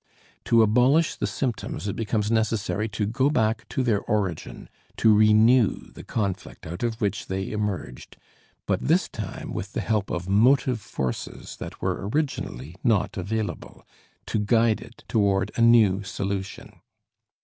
To abolish the symptoms it becomes necessary to go back to their origin, to renew the conflict out of which they emerged, but this time with the help of motive forces that were originally not available, to guide it toward a new solution.